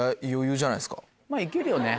まぁ行けるよね